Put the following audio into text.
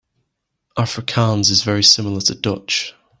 Afrikaans is very similar to Dutch.